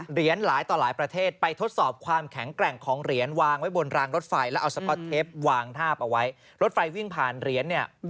เหรียญหลายต่อหลายประเทศไปทดสอบความแข็งแกร่งของเหรียญ